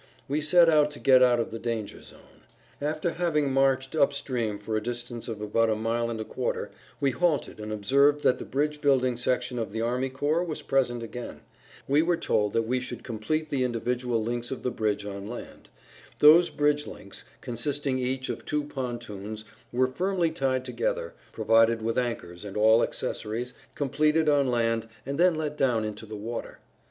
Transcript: We set out to get out of the danger zone. After having marched up stream for a distance of about a mile and a quarter we halted and observed that the bridge building section of the army corps was present again. We were told that we should complete the [Pg 46]individual links of the bridge on land. Those bridge links, consisting each of two pontoons, were firmly tied together, provided with anchors and all accessories, completed on land, and then let down into the water.